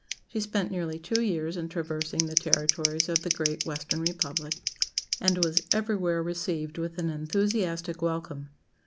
She spent nearly two years in traversing the territories of the Great Western Republic, and was everywhere received with an enthusiastic welcome.